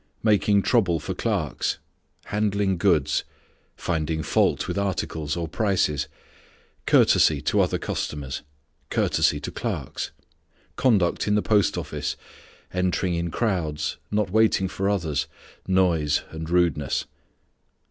_ Making trouble for clerks. Handling goods. Finding fault with articles or prices. Courtesy to other customers. Courtesy to clerks. _Conduct in the post office, entering in crowds, not waiting for others, noise and rudeness.